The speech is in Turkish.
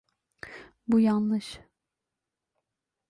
Bu yanlış.